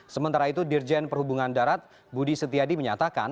sementara itu dirjen perhubungan darat budi setiadi menyatakan